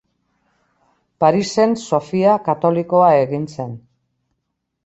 Parisen Sofia katolikoa egin zen.